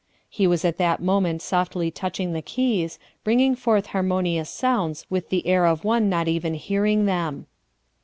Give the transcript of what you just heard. He was at that moment softly touching the keys, bringing forth harmonious sounds with the air of one not even hearing them.